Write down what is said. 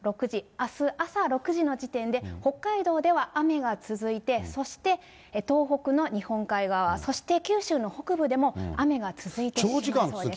あす朝６時の時点で北海道では雨が続いて、そして東北の日本海側、そして九州の北部でも雨が続いてしまいそうです。